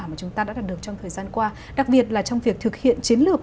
mà chúng ta đã đạt được trong thời gian qua đặc biệt là trong việc thực hiện chiến lược